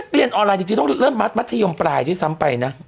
เรียนออนไลน์จริงต้องเริ่มมัดมัธยมปลายด้วยซ้ำไปนะ